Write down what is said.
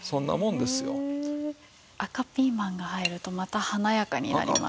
赤ピーマンが入るとまた華やかになりましたね。